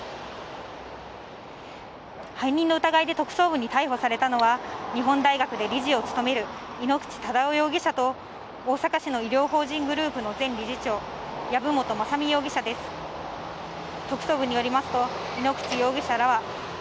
背任の疑いで特捜部に逮捕されたのは、日本大学で理事を務める井ノ口忠男容疑者と大阪市の医療法人グループの前理事長・藪本雅巳容疑者です。